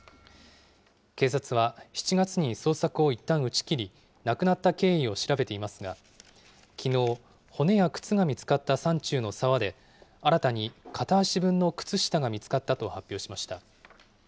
警察は７月に捜索をいったん打ち切り、亡くなった経緯を調べていますが、きのう、骨や靴が見つかった山中の沢で、新たに片足分の靴下が見つかったと発表しました。